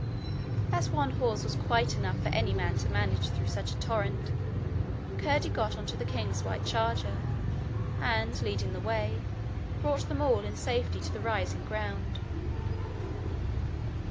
As one horse was quite enough for any man to manage through such a torrent, Curdie got on the king's white charger and, leading the way, brought them all in safety to the rising ground.